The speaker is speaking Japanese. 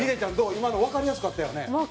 今のわかりやすかったよね？